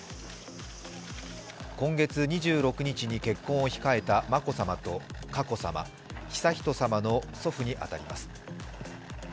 今月２６日に結婚を控えた眞子さまと、佳子さま、悠仁さまの祖父に当たります。